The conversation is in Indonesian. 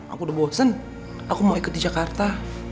aku udah bosen aku mau ikut di jakarta